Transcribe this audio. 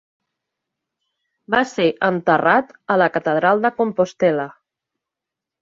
Va ser enterrat a la catedral de Compostela.